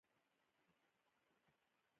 ما وویل: هغه هلته څه کوي؟